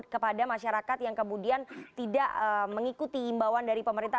kepada masyarakat yang kemudian tidak mengikuti imbauan dari pemerintah